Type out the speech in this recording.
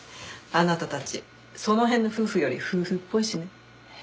あなたたちその辺の夫婦より夫婦っぽいしね。